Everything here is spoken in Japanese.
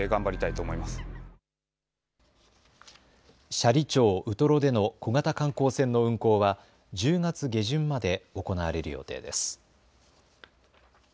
斜里町ウトロでの小型観光船の運航は１０月下旬まで行われる予定です。